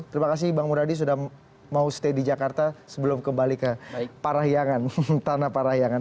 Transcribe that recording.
terima kasih bang muradi sudah mau stay di jakarta sebelum kembali ke parahyangan tanah parahyangan